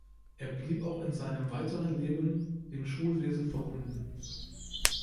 Er blieb auch in seinem weiteren Leben dem Schulwesen verbunden.